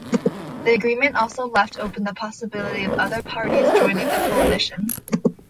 The agreement also left open the possibility of other parties joining the coalition.